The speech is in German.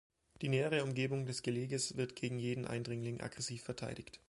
Die nähere Umgebung des Geleges wird gegen jeden Eindringling aggressiv verteidigt.